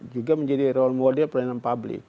juga menjadi role model pelayanan publik